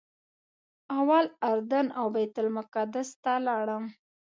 اول اردن او بیت المقدس ته لاړم.